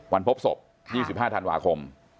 พบศพ๒๕ธันวาคม